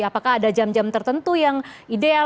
apakah ada jam jam tertentu yang ideal